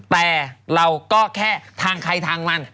แต่เราก็แค่ทางใครทางมัน